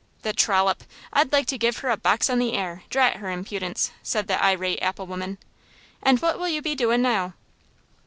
"The trollop! I'd like to give her a box on the ear, drat her impudence!" said the irate apple woman. "And what will you be doin' now?"